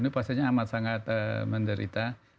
ini pasiennya amat sangat menderita